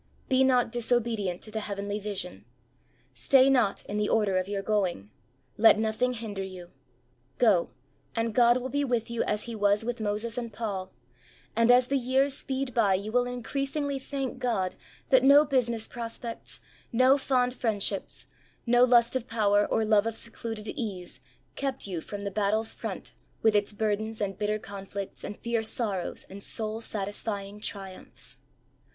Be not disobedient to the heavenly vision. Stay not in the order of your going. Let nothing hinder you. Go and God will be with you as He was with Moses and Paul, and as the years speed by you will increasingly thank God that no business prospects, no fond friendships, no lust of power or love of secluded ease kept you from the battle's front with its burdens and bitter conflicts and fierce SQrrow's and soul satisfying triumphs.